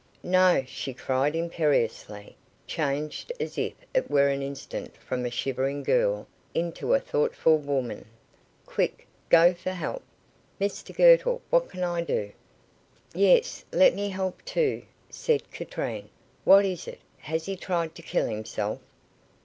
"No," she cried, imperiously, changed as it were in an instant from a shivering girl into a thoughtful woman. "Quick: go for help. Mr Girtle, what can I do?" "Yes, let me help too," said Katrine. "What is it; has he tried to kill himself?"